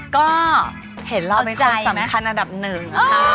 ก็เห็นเราเป็นคนสำคัญอันดับหนึ่ง